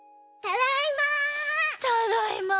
ただいま。